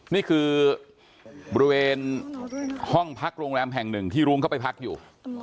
นี่คือบริเวณห้องพักโรงแรมแห่งหนึ่งที่รุ้งเข้าไปพักอยู่